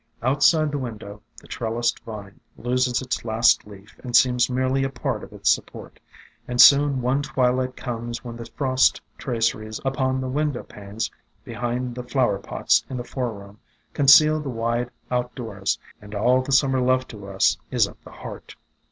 Outside the window the trellised vine loses its last leaf and seems merely a part of its support, and soon one twilight comes when the frost tra ceries upon the window panes behind the flower pots in the foreroom conceal the wide outdoors, and all the Summer left to us is of the heart.